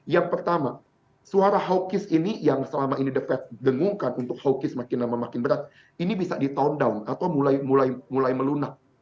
yang pertama suara hawkish ini yang selama ini the fed dengungkan untuk hawkis makin lama makin berat ini bisa di town down atau mulai melunak